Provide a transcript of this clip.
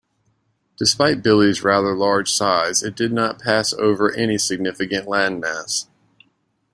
Despite Billie's rather large size it did not pass over any significant land mass.